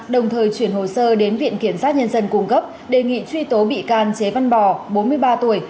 đồng thời chuyển hồ sơ đến viện kiểm sát nhân dân cung cấp đề nghị truy tố bị can chế văn bò bốn mươi ba tuổi